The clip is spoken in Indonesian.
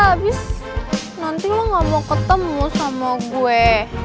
abis nanti lo gak mau ketemu sama gue